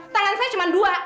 tangan saya cuma dua